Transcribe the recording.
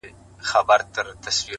o هغه چي هيڅوک نه لري په دې وطن کي ـ